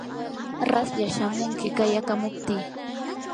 raslla shamunki qayakamuptii.